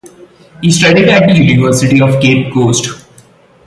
He studied at the University of Cape Coast.